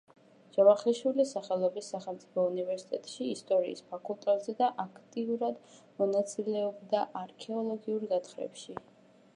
ჯავახიშვილის სახელობის სახელმწიფო უნივერსიტეტში, ისტორიის ფაკულტეტზე და აქტიურად მონაწილეობდა არქეოლოგიურ გათხრებში.